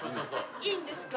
いいんですか？